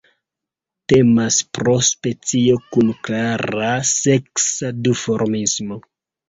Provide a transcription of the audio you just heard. Temas pro specio kun klara seksa duformismo.